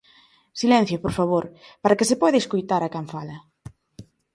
Silencio, por favor, para que se poida escoitar a quen fala.